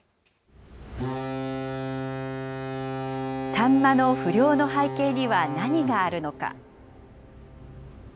サンマの不漁の背景には何があるのか。